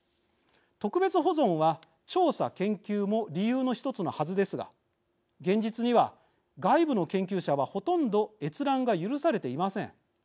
特別保存は調査研究も理由の１つのはずですが現実には外部の研究者はほとんど閲覧が許されていません。